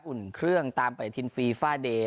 อุ่นเครื่องตามไปทินฟีฟ่าเดย์